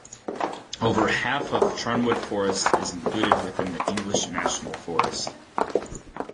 Over half of Charnwood Forest is included within the English National Forest.